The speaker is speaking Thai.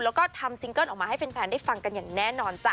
แล้วก็ทำซิงเกิ้ลออกมาให้แฟนได้ฟังกันอย่างแน่นอนจ้ะ